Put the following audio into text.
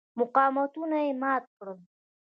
مقاومتونه یې مات کړل.